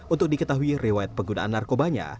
untuk diketahui rewayat penggunaan narkobanya